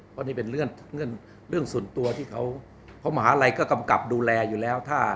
เพราะนี่เป็นเรื่องส่วนตัวที่เขาเพราะมหาลัยก็กำกับดูแลอยู่แล้ว